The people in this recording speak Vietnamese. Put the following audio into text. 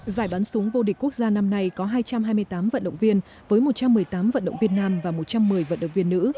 giải bắn súng vô địch quốc gia năm nay có hai trăm hai mươi tám vận động viên với một trăm một mươi tám vận động viên nam và một trăm một mươi vận động viên nữ